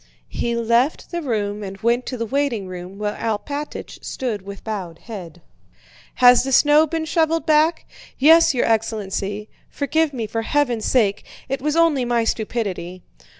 He left the room and went to the waiting room where Alpátych stood with bowed head. "Has the snow been shoveled back?" "Yes, your excellency. Forgive me for heaven's sake... It was only my stupidity."